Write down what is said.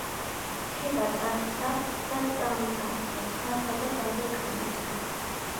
ქება წარბთა და წამწამთა, თმათა და ბაგე-კბილისა.